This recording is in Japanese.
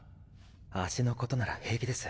足のことなら平気です。